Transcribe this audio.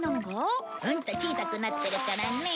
うんと小さくなってるからね。